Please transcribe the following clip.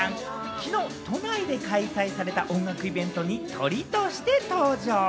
きのう都内で開催された音楽イベントにトリとして登場。